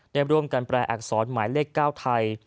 ได้ร่วมกันแปลอักษรหมายเลข๙ไทย